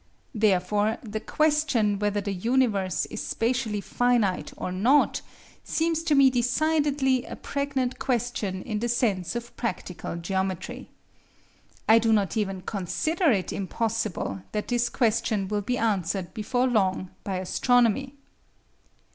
Therefore the question whether the universe is spatially finite or not seems to me decidedly a pregnant question in the sense of practical geometry. I do not even consider it impossible that this question will be answered before long by astronomy.